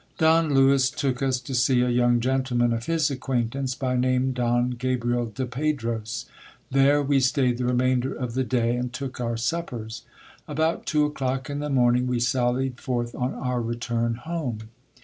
Don Lewis took us to see a young gentleman of his acquaintance, by name Don Gabriel de Pedros. There we stayed the remainder of the day, and took our suppers. About two o'clock in the morning we sallied forth on our return home.